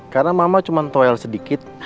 karena mama cuma toel sedikit